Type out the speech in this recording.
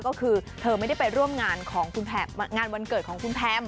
ก็คือเธอไม่ได้ไปร่วมงานของงานวันเกิดของคุณแพม